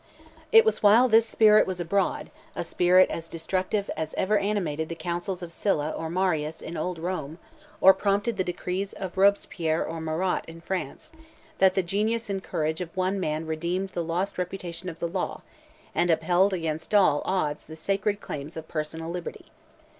It was while this spirit was abroad, a spirit as destructive as ever animated the Councils of Sylla or Marius in Old Rome, or prompted the decrees of Robespierre or Marat in France, that the genius and courage of one man redeemed the lost reputation of the law, and upheld against all odds the sacred claims of personal liberty.